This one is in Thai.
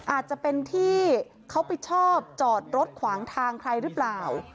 อาจจะเป็นที่เขาไปชอบจอดรถขวางทางใครหรือเปล่า